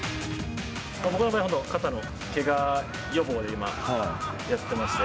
僕の場合は肩のけが予防で今、やってますね。